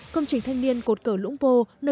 công trình thanh niên cột cờ lũng pô